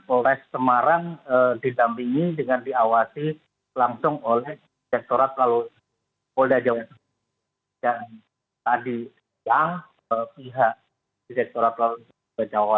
oleh semarang ditampingi dengan diawasi langsung oleh direkturat lalu lintas ambarawa